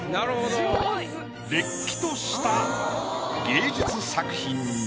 れっきとした芸術作品に。